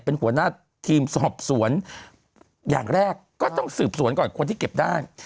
เป็นหัวหน้าทีมสอบสวนอย่างแรกก็ต้องสืบสวนก่อนคนที่เก็บได้